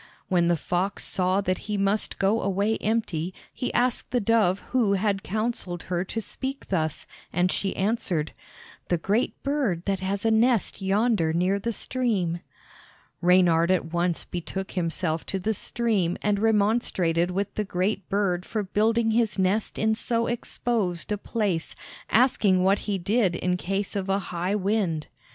When the fox saw that he must go away empty he asked the dove who had counseled her to speak thus, and she answered: "The great bird that has a nest yonder near the stream." Reynard at once betook himself to the stream and remonstrated with the great bird for building his nest in so exposed a place, asking what he did in case of a high wind.